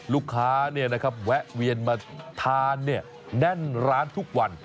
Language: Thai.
ลูกค้าเนี่ยนะครับแวะเวียนมาทานเนี่ยแน่นร้านทุกวัน